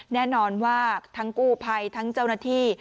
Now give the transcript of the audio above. แน่นอนว่าทั้งกู้ภัยทั้งเจ้าหน้าที่